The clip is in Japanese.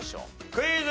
クイズ。